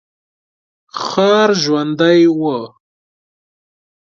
ښار ژوندی و.